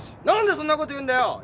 何でそんなこと言うんだよ？